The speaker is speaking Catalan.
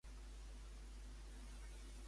S'ha mostrat oberta a complir la petició de Montoro?